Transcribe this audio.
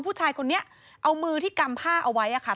ผู้ชายคนนี้เอามือที่กำผ้าเอาไว้ค่ะ